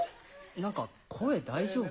なんか声、大丈夫？